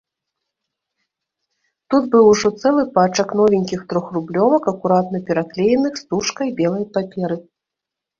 Тут быў ужо цэлы пачак новенькіх трохрублёвак, акуратна пераклееных стужкай белай паперы.